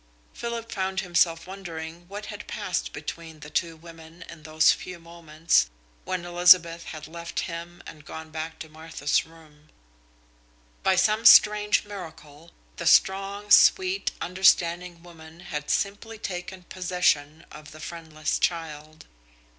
Philip found himself wondering what had passed between the two women in those few moments when Elizabeth had left him and gone back to Martha's room. By some strange miracle, the strong, sweet, understanding woman had simply taken possession of the friendless child.